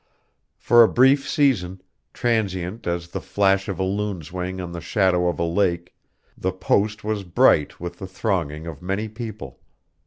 For a brief season, transient as the flash of a loon's wing on the shadow of a lake, the post was bright with the thronging of many people.